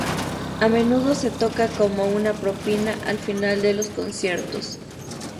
A menudo se toca como una propina al final de los conciertos.